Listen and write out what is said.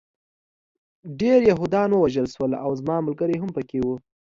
ډېر یهودان ووژل شول او زما ملګري هم پکې وو